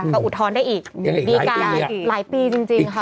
ก็อุทธรณ์ได้อีกดีการหลายปีจริงค่ะ